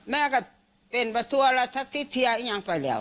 แม่ก็เป็นประทับที่เที่ยงไปแล้ว